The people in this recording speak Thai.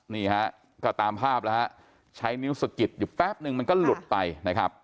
นี่ฮะก็ตามภาพแล้วฮะใช้นิ้วสะกิดอยู่แป๊บนึงมันก็หลุดไปนะครับ